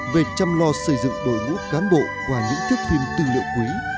về chăm lo xây dựng đội ngũ cán bộ qua những tiếp phim tư liệu quý